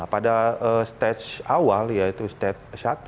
pada stage awal yaitu stage satu